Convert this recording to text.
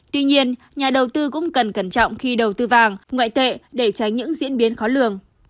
tuy nhiên nhà đầu tư cũng cần cẩn trọng khi đầu tư vàng ngoại tệ để tránh những diễn biến khó lường